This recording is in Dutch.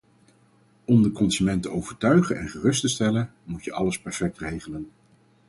Om de consument te overtuigen en gerust te stellen, moet je alles perfect regelen.